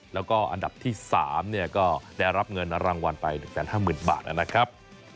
แล้วก็อันดับที่๓ก็ได้รับเงินรางวัลไป๑๕๐๐๐บาทนะครับ